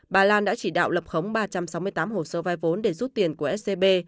bà lan đã chỉ đạo lập khống ba trăm sáu mươi tám hồ sơ vai vốn để rút tiền của scb